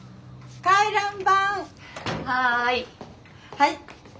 はい。